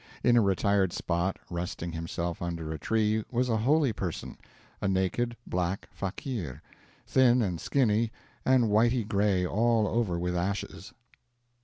In a retired spot, resting himself under a tree, was a holy person a naked black fakeer, thin and skinny, and whitey gray all over with ashes.